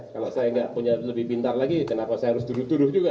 kalau saya tidak punya lebih pintar lagi kenapa saya harus duduk duduk juga